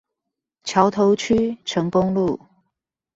橋頭區成功路